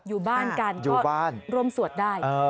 อยู่บ้านกันก็ร่วมสวดได้